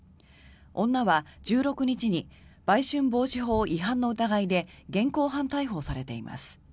女は１６日に売春防止法違反の疑いで現行犯逮捕されています。